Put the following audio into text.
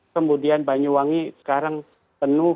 kemudian banyuwangi sekarang penuh